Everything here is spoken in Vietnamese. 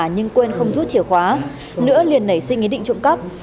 nhưng quên không rút chìa khóa nữa liền nảy sinh ý định trộm cắp